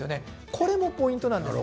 これもポイントなんです。